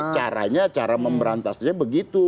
caranya cara pemberantasannya begitu